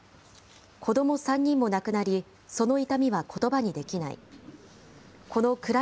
子ども３人も亡くなり、その痛みはことばにできない。